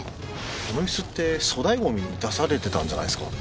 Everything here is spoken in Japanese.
この椅子って粗大ゴミに出されてたんじゃないですか？